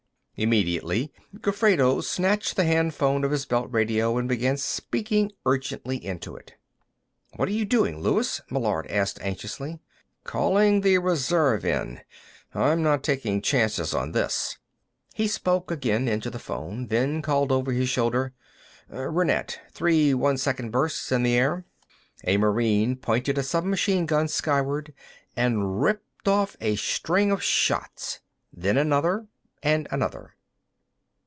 Immediately, Gofredo snatched the hand phone of his belt radio and began speaking urgently into it. "What are you doing, Luis?" Meillard asked anxiously. "Calling the reserve in. I'm not taking chances on this." He spoke again into the phone, then called over his shoulder: "Rienet; three one second bursts, in the air!" A Marine pointed a submachine gun skyward and ripped off a string of shots, then another, and another.